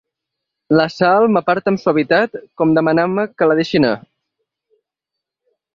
La Sal m'aparta amb suavitat, com demanant-me que la deixi anar.